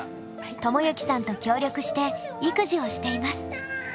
知之さんと協力して育児をしています。